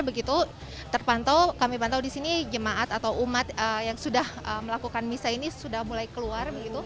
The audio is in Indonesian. begitu terpantau kami pantau di sini jemaat atau umat yang sudah melakukan misa ini sudah mulai keluar